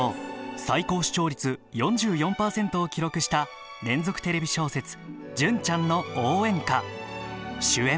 最高視聴率４４％を記録した連続テレビ小説「純ちゃんの応援歌」